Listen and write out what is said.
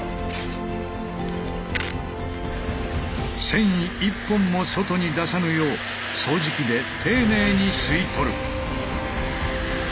繊維一本も外に出さぬよう掃除機で丁寧に吸い取る。